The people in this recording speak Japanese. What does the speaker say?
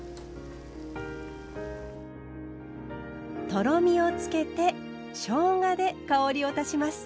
とろみをつけてしょうがで香りを足します。